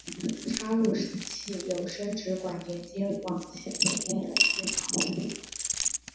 插入器有生殖管连接往其体内的一对睾丸。